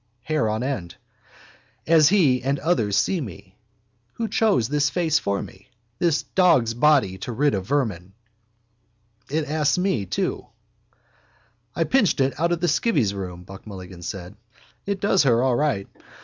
Hair on end. As he and others see me. Who chose this face for me? This dogsbody to rid of vermin. It asks me too. —I pinched it out of the skivvy's room, Buck Mulligan said. It does her all right.